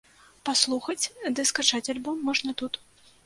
Паслухаць ды скачаць альбом можна тут!